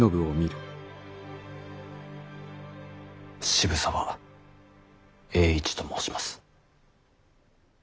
渋沢栄一と申します。